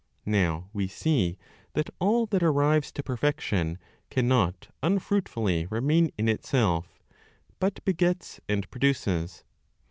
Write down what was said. Now we see that all that arrives to perfection cannot unfruitfully remain in itself, but begets and produces.